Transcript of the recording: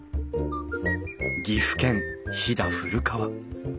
岐阜県飛騨古川